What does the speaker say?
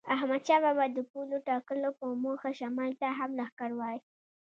احمدشاه بابا د پولو ټاکلو په موخه شمال ته هم لښکر وایست.